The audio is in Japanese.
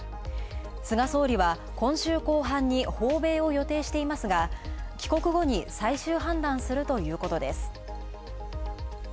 菅総理は今週後半に訪米を予定していますが帰国後に最終判断するということです。